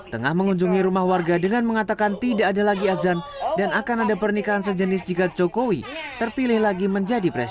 tengah mengunjungi rumah warga dengan mengatakan tidak ada lagi azan dan akan ada pernikahan sejenis jika jokowi terpilih lagi menjadi presiden